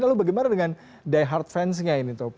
lalu bagaimana dengan die hard fans nya ini topo